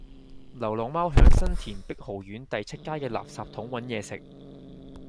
流浪貓喺新田碧豪苑第七街嘅垃圾桶搵野食